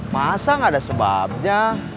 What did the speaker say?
masa gak ada sebabnya